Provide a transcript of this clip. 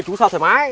chú soo thoải mái